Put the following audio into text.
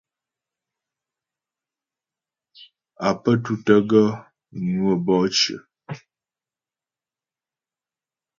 Á pə́ tútə́ gaə́ ŋwə́ bɔ'ɔ cyə.